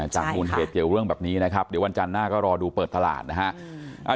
มูลเหตุเกี่ยวเรื่องแบบนี้นะครับเดี๋ยววันจันทร์หน้าก็รอดูเปิดตลาดนะฮะ